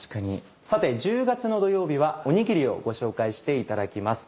さて１０月の土曜日はおにぎりをご紹介していただます。